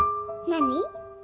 何？